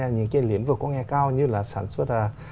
những cái lĩnh vực công nghệ cao như là sản xuất